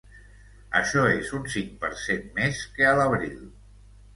Això és un cinc per cent més que a l’abril.